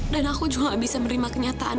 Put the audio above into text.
dan aku juga nggak bisa menerima kenyataan